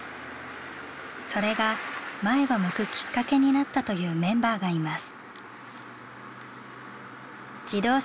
それが前を向くきっかけになったというメンバーがいます。